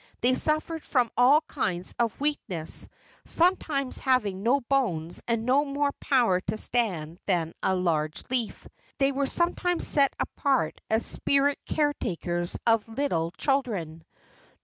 They suffered from all kinds of weakness, sometimes having no bones and no more power to stand than a large leaf. They were sometimes set apart as spirit caretakers of little children.